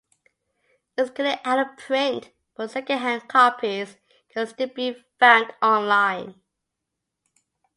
It is currently out of print, but secondhand copies can still be found online.